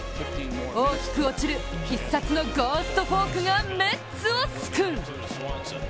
大きく落ちる必殺のゴーストフォークがメッツを救う。